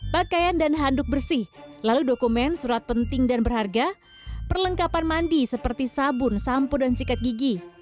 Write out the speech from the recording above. pakaian dan handuk bersih lalu dokumen surat penting dan berharga perlengkapan mandi seperti sabun sampo dan sikat gigi